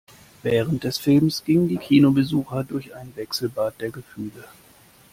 Während des Films gingen die Kinobesucher durch ein Wechselbad der Gefühle.